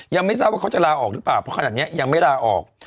ยังไม่ทราบว่าเขาจะลาออกหรือเปล่าเพราะขนาดนี้ยังไม่ลาออก